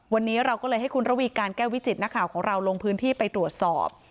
วันนี้เราก็เลยให้คุณระวีการแก้ววิจิตนักข่าวของเราลงพื้นที่ไปตรวจสอบ